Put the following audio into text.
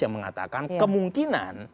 yang mengatakan kemungkinan